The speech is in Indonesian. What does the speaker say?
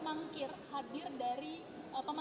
apakah artinya ketika dipanggil oleh mahkamah